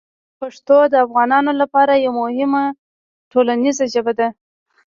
پښتو د افغانانو لپاره یوه مهمه ټولنیزه ژبه ده.